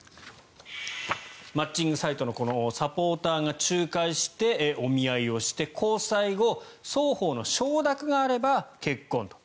マッチングサイトのサポーターが仲介して、お見合いをして交際後双方の承諾があれば結婚と。